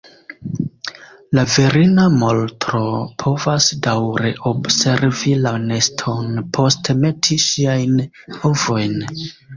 La virina molotro povas daŭre observi la neston post meti ŝiajn ovojn.